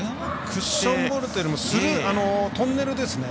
クッションボールというよりトンネルですね。